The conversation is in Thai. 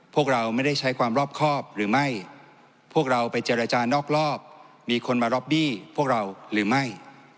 พวกเราไม่ได้ใช้ความรอบครอบหรือไม่พวกเราไปเจรจานอกรอบมีคนมารอบบี้พวกเราหรือไม่